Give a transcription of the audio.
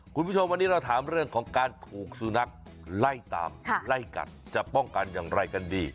คุณผู้ชมวันนี้เราถามเรื่องของการถูกสุนัขไล่ตามไล่กัดจะป้องกันอย่างไรกันดี